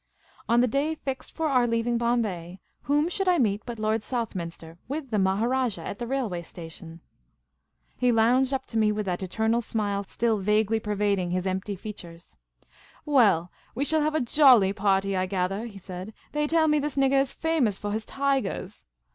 On the day fixed for our leaving Bombay, whom should I meet but Lord Southminster — with the Maharajah — at the railway station ! He lounged up to me with that eternal smile still vaguely pervading his empty features. " Well, we shall have a jolly party, I gathah," he said. " They tell me this niggah is famous for his tigahs."